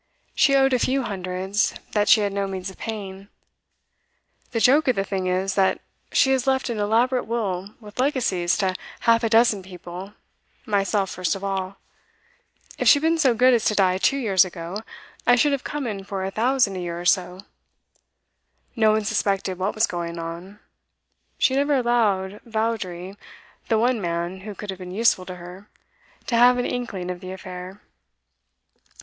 She owed a few hundreds that she had no means of paying. The joke of the thing is, that she has left an elaborate will, with legacies to half a dozen people, myself first of all. If she had been so good as to die two years ago, I should have come in for a thousand a year or so. No one suspected what was going on; she never allowed Vawdrey, the one man who could have been useful to her, to have an inkling of the affair.